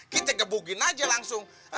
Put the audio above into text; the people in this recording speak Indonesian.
kita ngebukin aja langsung